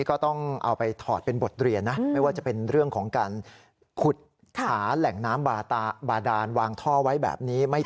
ก็ต้องขอบคุณทุกคนด้วยครับ